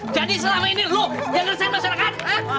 jadi selama ini lo yang ngerasain masyarakat